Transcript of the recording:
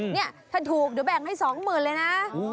เนี่ยถ้าถูกเดี๋ยวแบ่งให้สองหมื่นเลยนะ